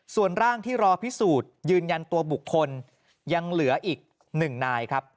ส่วนร่างที่รอพิสูจน์ยืนยันตัวบุคคลยังเหลืออีก๑นายครับ